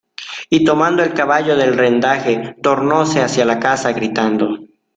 y tomando el caballo del rendaje tornóse hacia la casa, gritando: